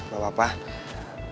kalian berdua yaudah deh